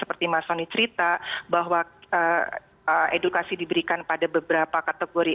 edukasi diberikan pada beberapa kategori